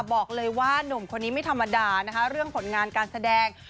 บอกเลยว่านุ่มคนนี้ไม่ธรรมดานะคะเรื่องผลงานการแสดง